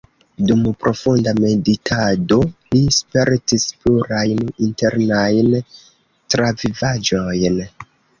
Dum profunda meditado li spertis plurajn internajn travivaĵojn.